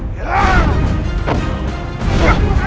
tidak ada gunanya